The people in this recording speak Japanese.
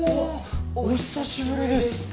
お久しぶりです。